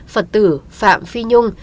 phật tử phạm phi nhung